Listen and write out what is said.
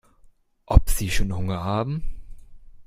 Ob sie schon Hunger haben?